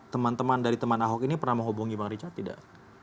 teman teman dari teman ahok ini pernah menghubungi bang richard tidak